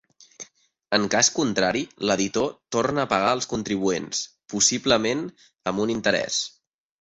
En cas contrari, l'editor torna a pagar als contribuents, possiblement amb un interès.